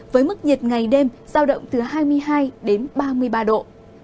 với mức nhiệt ngày đêm giao động từ hai mươi hai đến ba mươi ba độ